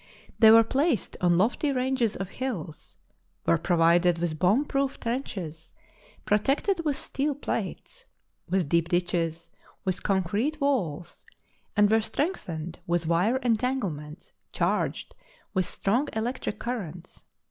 They were placed on lofty ranges of hills, were provided with bomb proof trenches, protected with steel plates, with deep ditches, with concrete walls, and were strengthened with wire entanglements charged with strong electric currents.